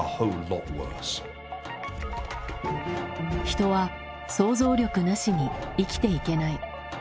人は想像力なしに生きていけない。